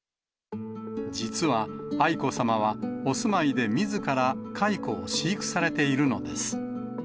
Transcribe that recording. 実は愛子さまは、お住まいで、みずから蚕を飼育されているのです。